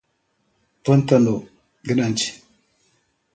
Pantano Grande